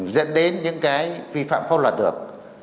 dẫn đến những cái vi phạm pháp luật được